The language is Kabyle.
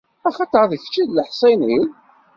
Axaṭer d kečč i d leḥṣin-iw.